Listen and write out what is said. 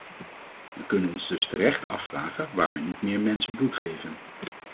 Wij kunnen ons dus terecht afvragen waarom er niet meer mensen bloed geven.